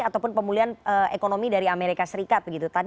ataupun pemulihan ekonomi dari amerika serikat